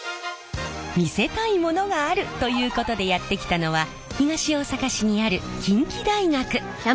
見せたいものがある！ということでやって来たのは東大阪市にある近畿大学！